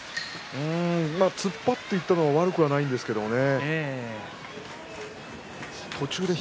突っ張っていったのは悪くないんですけどね。